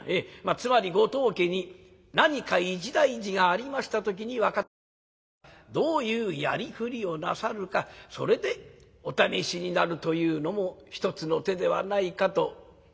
つまりご当家に何か一大事がありました時に若旦那方がどういうやりくりをなさるか若旦那方がどういうやりくりをなさるかそれでお試しになるというのも一つの手ではないかと」。